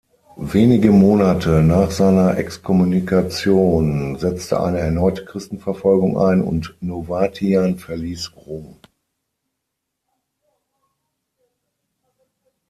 Wenige Monate nach seiner Exkommunikation setzte eine erneute Christenverfolgung ein und Novatian verließ Rom.